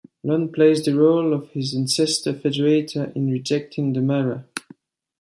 Lon plays the role of his ancestor Federator in rejecting the Mara.